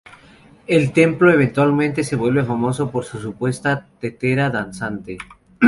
El templo eventualmente se vuelve famoso por su supuesta tetera danzante.